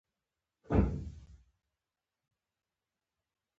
ایا زه باید لرې سفر وکړم؟